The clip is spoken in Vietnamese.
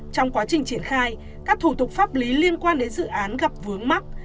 trong quá trình triển khai các thủ tục pháp lý liên quan đến dự án gặp vướng mắt